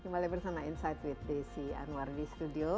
kembali bersama insight with desi anwar di studio